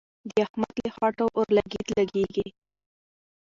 د احمد له خوټو اورلګيت لګېږي.